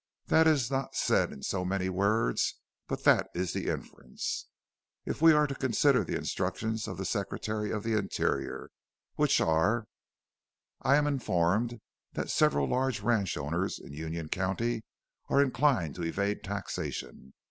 That is not said in so many words, but that is the inference, if we are to consider the instructions of the Secretary of the Interior which are: 'I am informed that several large ranch owners in Union County are inclined to evade taxation.